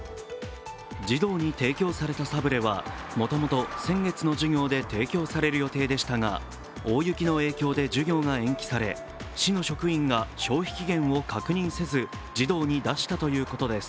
児童に提供されたサブレは、もともと、先月の授業で提供される予定でしたが、大雪の影響で授業が延期され、市の職員が消費期限を確認せず児童に出したということです。